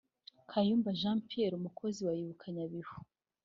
Kayumba Jean Pierre umukozi wa Ibuka Nyabihu